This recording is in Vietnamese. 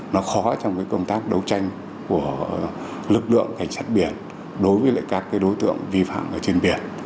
nó khó trong công tác đấu tranh của lực lượng cảnh sát biển đối với các đối tượng vi phạm ở trên biển